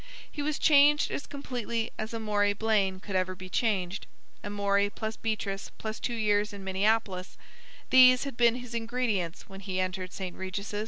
He was changed as completely as Amory Blaine could ever be changed. Amory plus Beatrice plus two years in Minneapolis—these had been his ingredients when he entered St. Regis'.